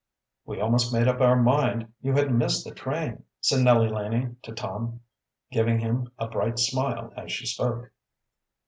"We almost made up our mind you had missed the train," said Nellie Laning to Tom, giving him a bright smile as she spoke.